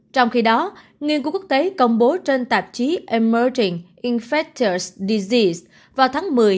trong khi đó nghiên cứu quốc tế công bố trên tạp chí emerging infectious diseases vào tháng một mươi